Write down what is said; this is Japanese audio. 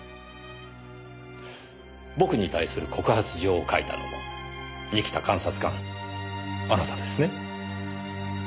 僕に対する告発状を書いたのも仁木田監察官あなたですね？